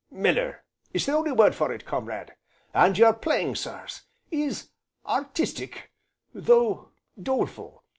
"Meller is the only word for it, comrade, and your playing sirs, is artistic though doleful.